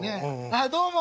「ああどうも」。